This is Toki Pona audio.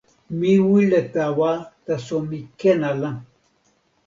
mi wile tawa, taso mi ken ala.